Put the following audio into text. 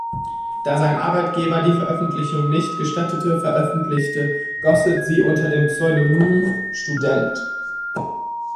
Da sein Arbeitgeber die Veröffentlichung nicht gestattete, veröffentlichte Gosset sie unter dem Pseudonym "Student.